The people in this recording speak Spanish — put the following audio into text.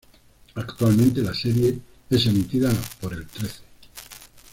Actualmente, la serie es emitida por El Trece.